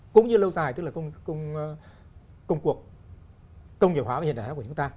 cũng như lâu dài tức là công cuộc công nghiệp hóa và hiện đại hóa của chúng ta